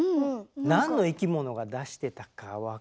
何の生き物が出してたか分かるかな？